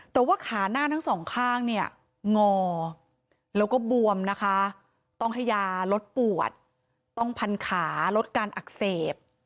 แต่ว่าขาหน้าทั้งสองข้างเนี่ยงอแล้วก็บวมนะคะต้องให้ยาลดปวดต้องพันขาลดการอักเสบ